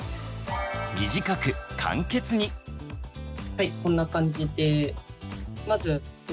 はいこんな感じで。